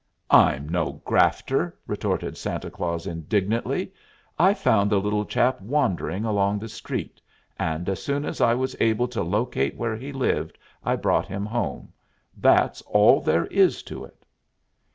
"I'm no grafter!" retorted Santa Claus indignantly. "I found the little chap wandering along the street, and, as soon as I was able to locate where he lived, I brought him home. That's all there is to it."